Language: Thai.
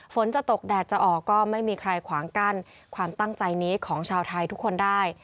ฝนจะตกแดดจะออกก็ไม่มีใครขวางกั้นความตั้งใจนี้ของชาวไทยทุกคนได้